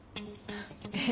えっ？